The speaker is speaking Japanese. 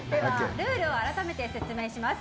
ルールを改めて説明します。